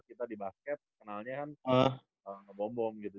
kita di basket kenalnya kan ngebom bom gitu